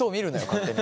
勝手に。